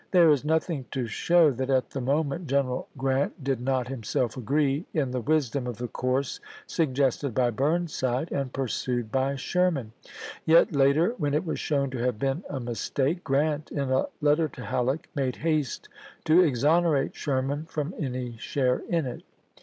There is nothing to show that at the moment General Grant BURNSIDE IN TENNESSEE 185 did not himself agree in the wisdom of the course chap. vi. suggested by Burnside and pursued by Sherman ; yet later, when it was shown to have been a mis take, Grant, in a letter to Halleck, made haste to exonerate Sherman from any share in it.